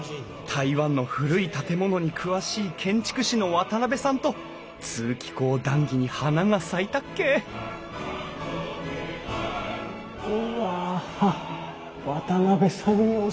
台湾の古い建物に詳しい建築士の渡邉さんと通気口談議に花が咲いたっけうわ渡邉さんに教えてあげたい！